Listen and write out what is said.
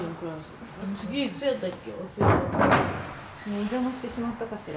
お邪魔してしまったかしら。